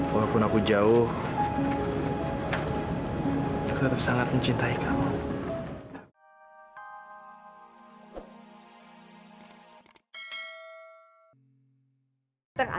sampai jumpa di video selanjutnya